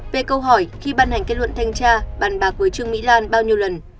về câu hỏi khi ban hành kết luận thanh tra bàn bạc với trương mỹ lan bao nhiêu lần